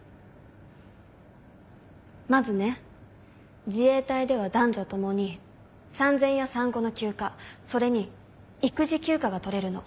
まずね自衛隊では男女共に産前や産後の休暇それに育児休暇が取れるの。